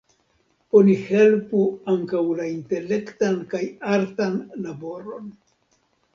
Oni helpu ankaŭ la intelektan kaj artan laboron.